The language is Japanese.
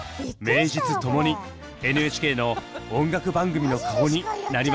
名実ともにＮＨＫの音楽番組の顔になりました！